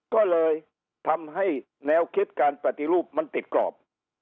ก็เลยทำให้แนวคิดการปฏิรูปมันติดกรอบ